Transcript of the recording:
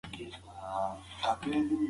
خیر محمد ته پکار ده چې یوه توده جاکټ واخلي.